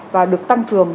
và được tăng cường